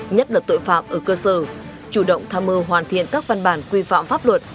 nhất là tội phạm ở cơ sở chủ động tham mưu hoàn thiện các văn bản quy phạm pháp luật